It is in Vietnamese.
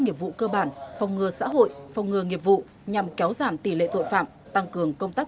nghiệp vụ cơ bản phòng ngừa xã hội phòng ngừa nghiệp vụ nhằm kéo giảm tỷ lệ tội phạm tăng cường công tác